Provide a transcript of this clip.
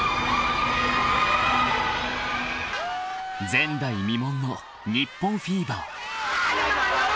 ［前代未聞の日本フィーバー］